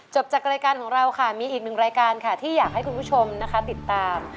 จากรายการของเราค่ะมีอีกหนึ่งรายการค่ะที่อยากให้คุณผู้ชมนะคะติดตาม